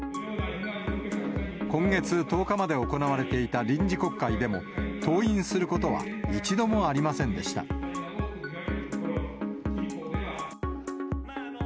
今月１０日まで行われていた臨時国会でも、登院することは一度もありませんでした。